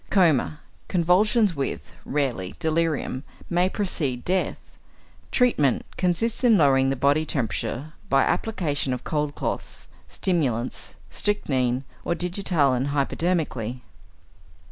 Coma, convulsions with (rarely) delirium, may precede death. Treatment consists in lowering the body temperature by application of cold cloths, stimulants, strychnine or digitalin hypodermically.